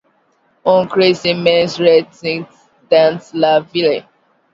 Un cri immense retentit dans la ville.